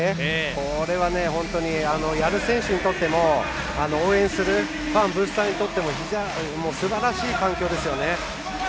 これは、やる選手にとっても応援するファンブースターにとってもすばらしい環境ですよね。